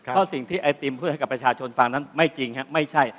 เพราะสิ่งที่ไอติมพูดให้กับประชาชนฟังนั้นไม่จริงครับไม่ใช่